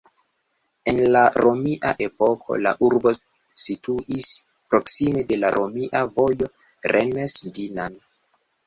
En la romia epoko, la urbo situis proksime de la romia vojo Rennes-Dinan.